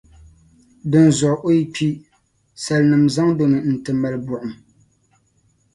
Dinzuɣu o yi kpi, salinim' zaŋdi o mi n-ti mali buɣum.